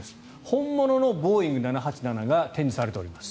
本物のボーイング７８７が展示されています。